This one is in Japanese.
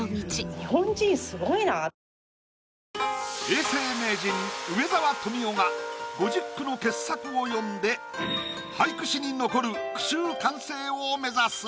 永世名人梅沢富美男が５０句の傑作を詠んで俳句史に残る句集完成を目指す。